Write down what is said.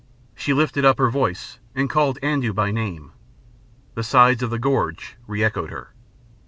She lifted up her voice and called Andoo by name. The sides of the gorge re echoed her.